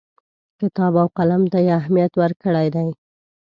کتاب او قلم ته یې اهمیت ورکړی دی.